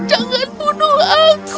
jangan bunuh aku